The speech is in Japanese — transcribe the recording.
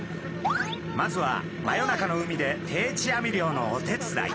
まずは真夜中の海で定置網漁のお手伝い。